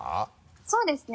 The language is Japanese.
そうですね